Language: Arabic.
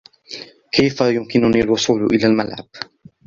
كيف يمكنني الوصول إلى الملعب؟